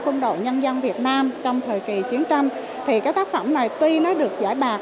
quân đội nhân dân việt nam trong thời kỳ chiến tranh thì cái tác phẩm này tuy nó được giải bạc